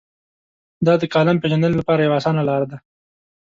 دا د کالم پېژندنې لپاره یوه اسانه لار ده.